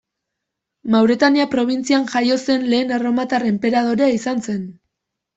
Mauretania probintzian jaio zen lehen erromatar enperadorea izan zen.